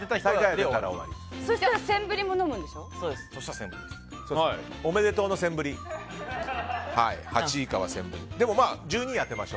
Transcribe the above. そうしたらセンブリも飲むんでしょ？